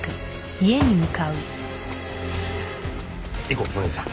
行こう森野さん。